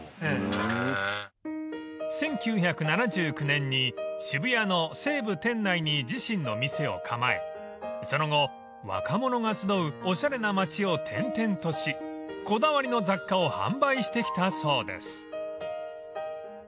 ［１９７９年に渋谷の西武店内に自身の店を構えその後若者が集うおしゃれな町を転々としこだわりの雑貨を販売してきたそうです］